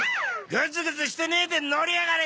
グズグズしてねえで乗りやがれ！